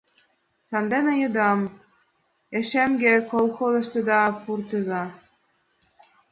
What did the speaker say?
Сандене йодам: ешемге колхозышкыда пуртыза.